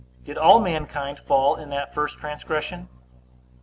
Did all mankind fall in that first transgression?